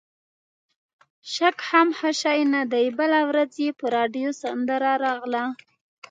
شک هم ښه شی نه دی، بله ورځ یې په راډیو سندره راغله.